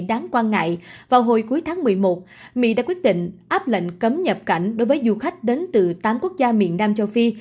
đáng quan ngại vào hồi cuối tháng một mươi một mỹ đã quyết định áp lệnh cấm nhập cảnh đối với du khách đến từ tám quốc gia miền nam châu phi